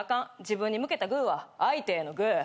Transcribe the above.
自分に向けたグーは相手へのグー。